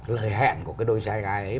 lời hẹn của cái đôi trai gái ấy